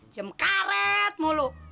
jam karet mulu